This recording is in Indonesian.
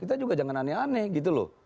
kita juga jangan aneh aneh gitu loh